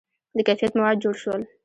• د کیفیت مواد جوړ شول.